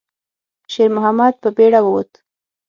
شېرمحمد په بیړه ووت.